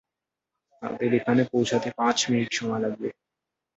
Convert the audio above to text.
তাদের এখানে পৌঁছাতে পাঁচ মিনিট সময় লাগবে।